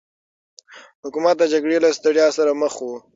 حکومت د جګړې له ستړيا سره مخ و.